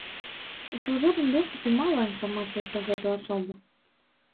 У свабодным доступе мала інфармацыі пра гэту асобу.